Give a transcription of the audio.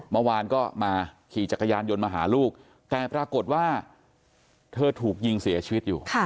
เมื่อวานก็มาขี่จักรยานยนต์มาหาลูกแต่ปรากฏว่าเธอถูกยิงเสียชีวิตอยู่